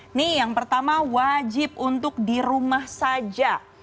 ini yang pertama wajib untuk di rumah saja